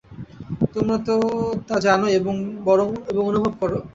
তোমরা তো তা জানই এবং অনুভব কর।